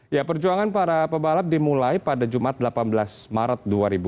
ya perjuangan para pebalap dimulai pada jumat delapan belas maret dua ribu dua puluh